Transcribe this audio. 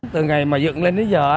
từ ngày mà dựng lên đến giờ